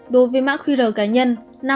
đối với mã qr cá nhân